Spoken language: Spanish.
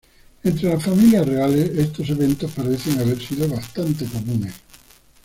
Entre las familias reales, estos eventos parecen haber sido bastante comunes.